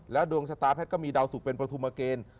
ดวงชะตาแพทย์ก็มีดาวสุกเป็นประธุมเกณฑ์